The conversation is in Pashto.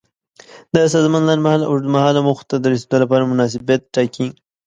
د سازمان لنډمهاله او اوږدمهاله موخو ته د رسیدو لپاره مناسبیت ټاکي.